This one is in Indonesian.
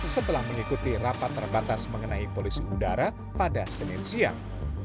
setelah mengikuti rapat terbatas mengenai polisi udara pada senin siang